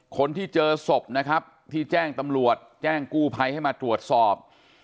คนที่เจอศพนะครับที่แจ้งตำรวจแจ้งกู้ภัยให้มาตรวจสอบ